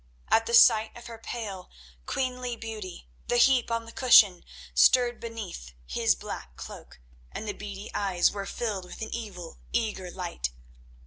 At the sight of her pale, queenly beauty the heap on the cushion stirred beneath his black cloak, and the beady eyes were filled with an evil, eager light.